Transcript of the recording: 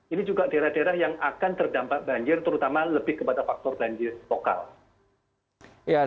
ini juga daerah daerah yang akan terdampak banjir terutama lebih kepada faktor banjir lokal